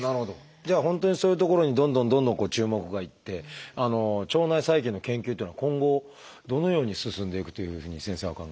じゃあ本当にそういうところにどんどんどんどん注目がいって腸内細菌の研究っていうのは今後どのように進んでいくというふうに先生はお考えですか？